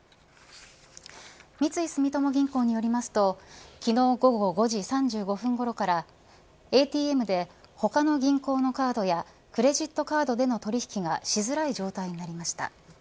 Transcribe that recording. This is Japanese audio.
三井住友銀行によりますとか昨日午後５時３５分ごろからＡＴＭで他の銀行のカードやクレジットカードでの取引がしづらい状態になりました。